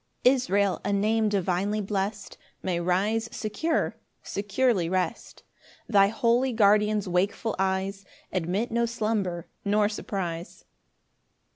4 Israel, a name divinely blest, May rise secure, securely rest; Thy holy Guardian's wakeful eyes Admit no slumber nor surprise.